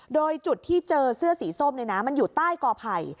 โดยจุดที่เจอเสื้อสีส้มมันอยู่ใต้กอไผ่